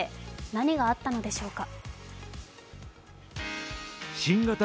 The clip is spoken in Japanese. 何があったのでしょうか。